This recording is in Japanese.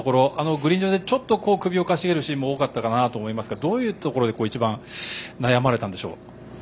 グリーン上で首をかしげるシーンも多かったと思いますがどんなところに一番悩まれたんでしょう。